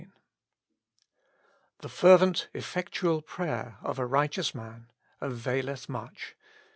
The fervent effectual prayer of a RIGHTEOUS manavaileth much.